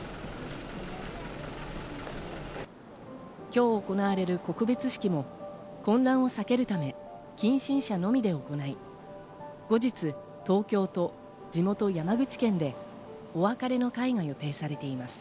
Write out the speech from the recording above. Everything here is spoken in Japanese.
今日行われる告別式も、混乱を避けるため、近親者のみで行い、後日、東京と、地元・山口県でお別れの会が予定されています。